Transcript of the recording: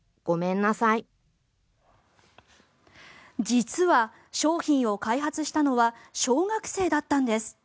実は商品を開発したのは小学生だったんです。